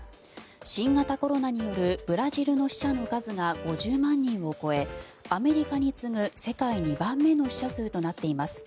新型コロナによるブラジルの死者の数が５０万人を超えアメリカに次ぐ世界２番目の死者数となっています。